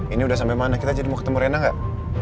ini udah sampai mana kita jadi mau ketemu rena nggak